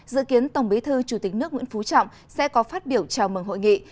dự kiến tổng bí thư chủ tịch nước nguyễn phú trọng sẽ có phát biểu chào mừng hội nghị